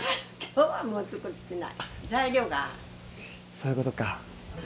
そういうことか。